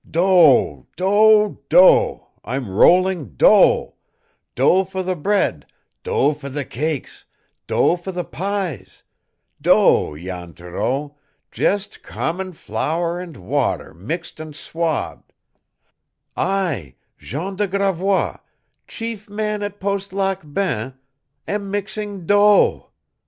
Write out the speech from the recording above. "Dough dough dough I'm rolling dough dough for the bread, dough for the cakes, dough for the pies dough, Jan Thoreau, just common flour and water mixed and swabbed I, Jean de Gravois, chief man at Post Lac Bain, am mixing dough!